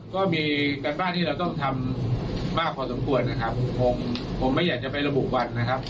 ก็มีการบ้านที่เราต้องทำมากพอสมควรนะครับคงผมไม่อยากจะไประบุวันนะครับ